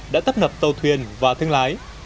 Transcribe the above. đã tấp nập tàu thuyền và thương lái